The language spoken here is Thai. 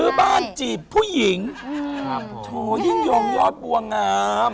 บ้านจีบผู้หญิงโถยิ่งยงยอดบัวงาม